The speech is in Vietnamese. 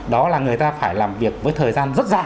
đó là người ta phải làm việc với thời gian rất dài